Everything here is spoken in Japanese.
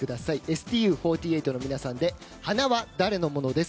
ＳＴＵ４８の皆さんで「花は誰のもの？」です。